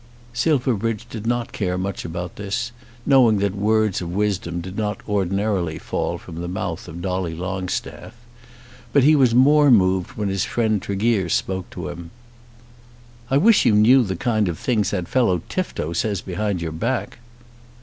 Silverbridge did not care much about this, knowing that words of wisdom did not ordinarily fall from the mouth of Dolly Longstaff. But he was more moved when his friend Tregear spoke to him. "I wish you knew the kind of things that fellow Tifto says behind your back."